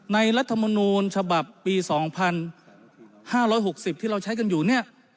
รัฐมนูลฉบับปี๒๕๖๐ที่เราใช้กันอยู่เนี่ย